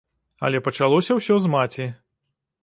Але пачалося ўсё з маці.